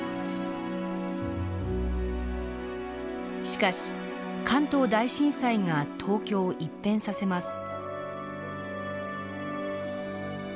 しかし関東大震災が東京を一変させます。